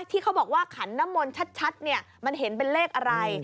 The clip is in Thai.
ที่เขาบอกว่าขันน้ำมนต์ชัดมันเห็นเป็นเลขอะไร